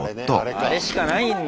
あれしかないんだ